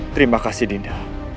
terima kasih dinda